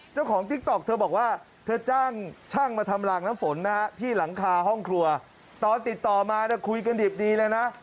ติ๊กต๊อกเธอบอกว่าเธอจ้างช่างมาทำลางน้ำฝนนะฮะที่หลังคาห้องครัวตอนติดต่อมาคุยกันดิบดีเลยนะ